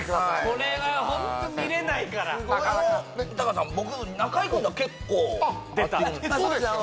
これはホント見れないから貴さん僕中居くんとは結構あっそうですよね